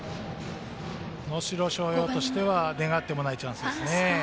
能代松陽としては願ってもないチャンスですね。